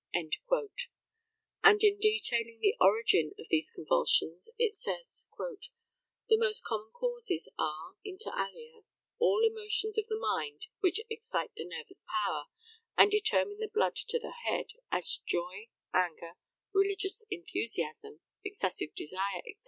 And, in detailing the origin of these convulsions, it says: "The most common causes are (inter alia), all emotions of the mind which excite the nervous power, and determine the blood to the head, as joy, anger, religious enthusiasm, excessive desire, &c.